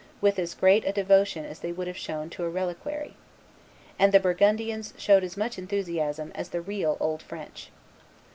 . with as great devotion as they would have shown to a reliquary. And the Burgundians showed as much enthusiasm as the real old French."